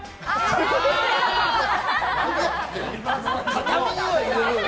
畳には入れろよ。